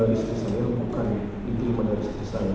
istri saya bukan diterima dari istri saya